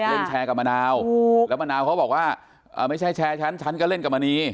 เล่นแชร์กับมะนาวถูกแล้วมะนาวเขาบอกว่าไม่ใช่แชร์ฉันฉันก็เล่นกับมณี